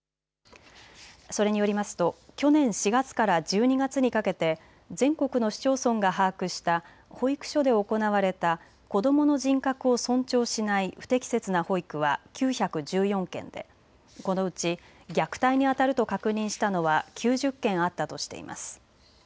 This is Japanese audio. それによりますと去年４月から１２月にかけて全国の市町村が把握した保育所で行われた子どもの人格を尊重しない不適切な保育は９１４件でこのうち虐待にあたると確認したのは９０件あったとしています。